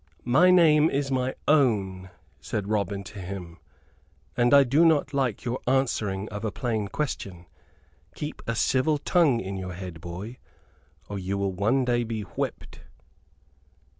"My name is my own," said Robin to him, "and I do not like your answering of a plain question. Keep a civil tongue in your head, boy, or you will one day be whipped."